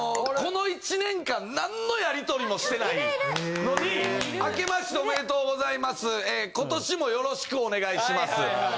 この１年間なんのやり取りもしてないのに、あけましておめでとうございます、ことしもよろしくお願いします。